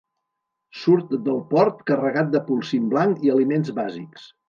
Surt del port carregat de polsim blanc i aliments bàsics.